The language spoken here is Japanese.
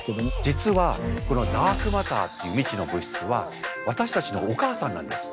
実はこのダークマターっていう未知の物質は私たちのお母さんなんです。